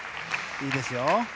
いいですよ。